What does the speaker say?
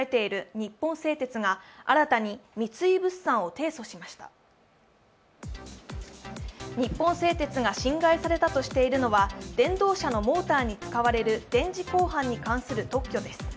日本製鉄が侵害されたとされているのは、電動車のモーターに使われる電磁鋼板に関する特許です。